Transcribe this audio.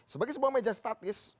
sebagai sebuah meja statis